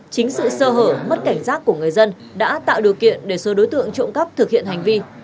chính sự sơ hở mất cảnh giác của người dân đã tạo điều kiện để số đối tượng trộm cắp thực hiện hành vi